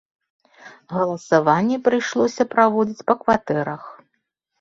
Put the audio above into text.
Галасаванне прыйшлося праводзіць па кватэрах.